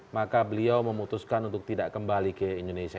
maka beliau memutuskan untuk tidak kembali ke indonesia